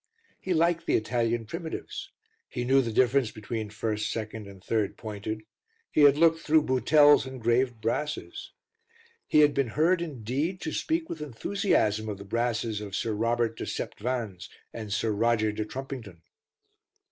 He liked the Italian primitives, he knew the difference between first, second, and third pointed, he had looked through Boutell's "Engraved Brasses." He had been heard indeed to speak with enthusiasm of the brasses of Sir Robert de Septvans and Sir Roger de Trumpington.